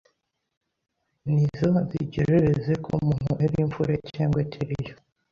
ni zo zigeregeze ko umuntu eri imfure cyengwe eteri yo.